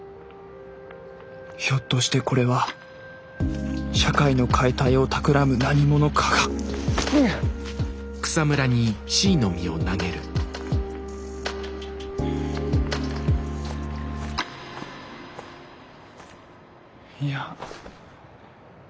ひょっとしてこれは社会の解体をたくらむ何者かがいや。